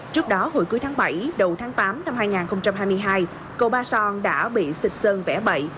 trước đó hồi cuối tháng bảy đầu tháng tám năm hai nghìn hai mươi hai cầu ba son đã bị xịt sơn vẽ bậy